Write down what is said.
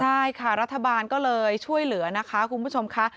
ใช่ค่ะรัฐบาลก็เลยช่วยเหลือนะคะคุณผู้ชมค่ะ